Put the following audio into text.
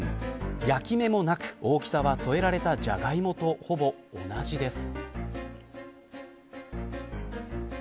焼き目もなく、大きさは添えられたジャガイモとほぼ同じです。